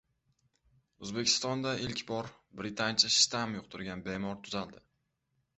O‘zbekistonda ilk bor britancha shtamm yuqtirgan bemor tuzaldi